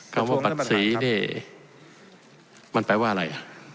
เกือบบัตรศรีมันแปดว่าอะไร